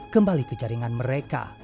kembali ke jaringan mereka